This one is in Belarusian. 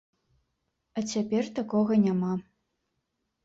А цяпер такога няма.